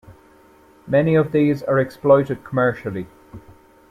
Many of these are exploited commercially.